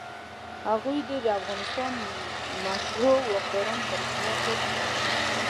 هغوی دې د افغانستان مشروع واکداران په رسمیت وپېژني.